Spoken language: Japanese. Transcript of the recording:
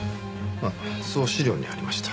そう資料にありました。